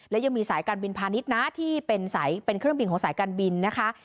และยังมีสายการบินพาณิชย์นะที่เป็นสายเป็นเครื่องบินของสายการบินนะคะ